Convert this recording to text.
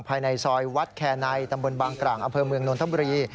ภายในซอยวัดแคร์ในตำบลบางกร่างอำเภอเมืองนนทบุรี